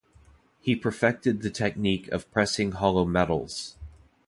He perfected the technique of pressing hollow medals.